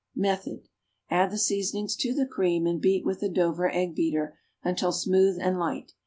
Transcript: Method. Add the seasonings to the cream and beat with a Dover egg beater until smooth and light.